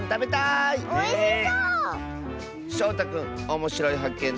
しょうたくんおもしろいはっけん